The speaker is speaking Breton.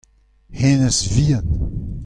hennezh vihan.